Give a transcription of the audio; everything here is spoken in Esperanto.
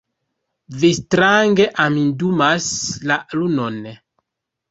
Vi strange amindumas la lunon!